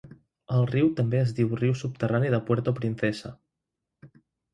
El riu també es diu riu subterrani de Puerto Princesa.